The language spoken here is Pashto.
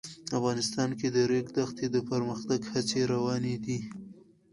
افغانستان کې د د ریګ دښتې د پرمختګ هڅې روانې دي.